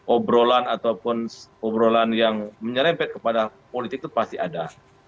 obrolan ataupun obrolan yang menyerempet kepada politik itu pasti ada